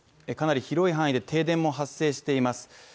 かなり広い範囲で停電も発生しています。